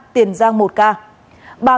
tiền giang một ca